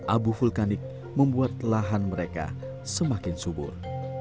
abu vulkanik membuat lahan mereka semakin subur